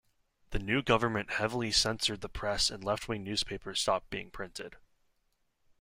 The new government heavily censored the press and left-wing newspapers stopped being printed.